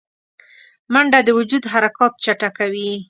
منډه د وجود حرکات چټکوي